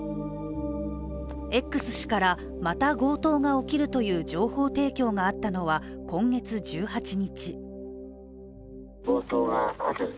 Ｘ氏からまた強盗が起きるという情報提供があったのは、今月１８日。